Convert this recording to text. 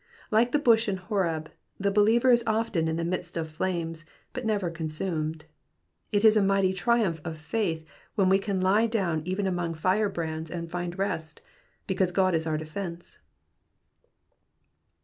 Like the bush in Horeb, the believer is often in the midst of flames, but never consumed. It is a mighty triumph of faith when wo can lie down even among firebrands and find rest, because God is our defence.